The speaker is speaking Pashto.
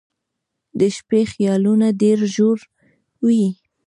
• د شپې خیالونه ډېر ژور وي.